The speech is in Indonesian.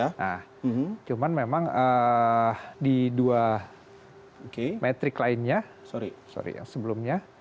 nah cuman memang di dua metrik lainnya sorry yang sebelumnya